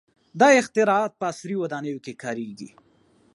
• دا اختراعات په عصري ودانیو کې کارېږي.